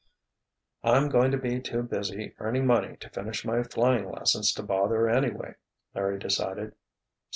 "I'm going to be too busy earning money to finish my flying lessons to bother, anyway," Larry decided.